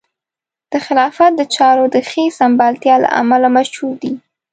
د خلافت د چارو د ښې سمبالتیا له امله مشهور دی.